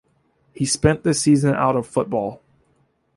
He spent the season out of football.